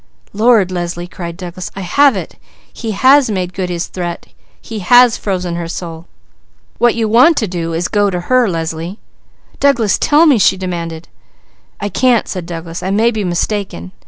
Lord, Leslie!" cried Douglas, "I have it! He has made good his threat. He has frozen her soul! What you want to do is to go to her, Leslie!" "Douglas, tell me!" she demanded. "I can't!" said Douglas. "I may be mistaken.